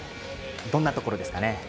どんなところですかね？